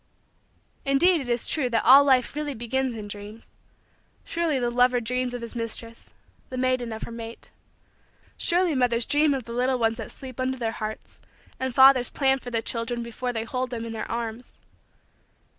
Indeed it is true that all life really begins in dreams. Surely the lover dreams of his mistress the maiden of her mate. Surely mothers dream of the little ones that sleep under their hearts and fathers plan for their children before they hold them in their arms.